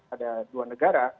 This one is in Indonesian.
ada dua negara